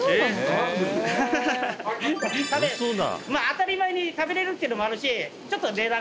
当たり前に食べれるっていうのもあるし。